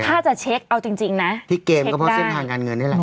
ถ้าจะเช็คเอาจริงนะเช็คได้